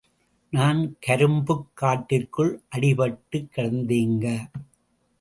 நான் கரும்புக் காட்டிற்குள் அடிபட்டுக் கிடந்தேங்க!